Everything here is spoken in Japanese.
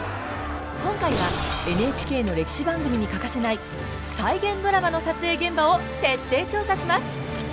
今回はＮＨＫの歴史番組に欠かせない再現ドラマの撮影現場を徹底調査します！